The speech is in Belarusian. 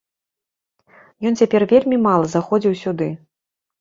Ён цяпер вельмі мала заходзіў сюды.